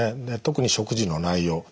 で特に食事の内容。